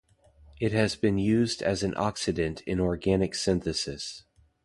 It has been used as an oxidant in organic synthesis.